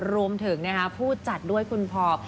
รวมถึงผู้จัดด้วยคุณพอ